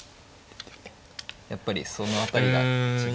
やっぱりその辺りが一番。